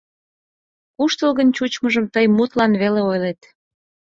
Куштылгын чучмыжым тый мутлан веле ойлет...